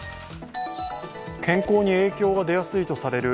健康に影響が出やすいとされる